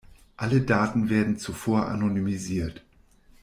Alle Daten werden zuvor anonymisiert.